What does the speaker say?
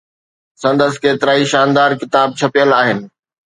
سندس ڪيترائي شاندار ڪتاب ڇپيل آهن.